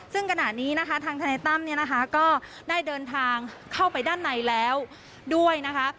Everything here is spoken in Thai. ซึ่งขณะนี้ทางธนัยตั้มก็ได้เดินทางเข้าไปด้านในแล้วด้วยนะคะ